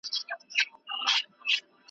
له یوه میدانه وزو بل میدان ته ور ګډیږو .